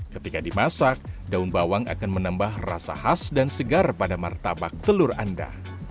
ketika dimasak daun bawang akan menambah rasa khas dan segar pada martabak telur anda